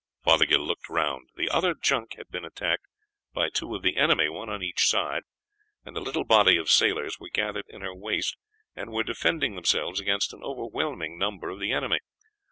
Fothergill looked round. The other junk had been attacked by two of the enemy, one on each side, and the little body of sailors were gathered in her waist, and were defending themselves against an overwhelming number of the enemy.